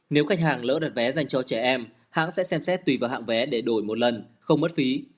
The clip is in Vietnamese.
nếu khách hàng lỡ đặt vé dành cho trẻ em hãng sẽ xem xét tùy vào hãng vé để đổi một lần không mất phí